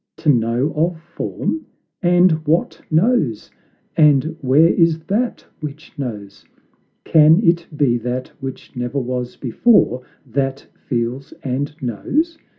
To know of form? And what knows? And where is that which knows? Can it be that which never was before That feels and knows?